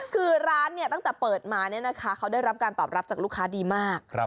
คือร้านเนี่ยตั้งแต่เปิดมาเนี่ยนะคะเขาได้รับการตอบรับจากลูกค้าดีมาก